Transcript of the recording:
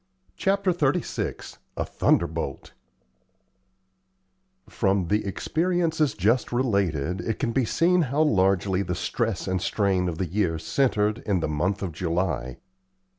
CHAPTER XXXVI A THUNDERBOLT From the experiences just related, it can be seen how largely the stress and strain of the year centred in the month of July.